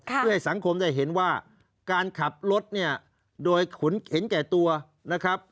เพื่อให้สังคมได้เห็นว่าการขับรถเนี่ยโดยเห็นแก่ตัวนะครับ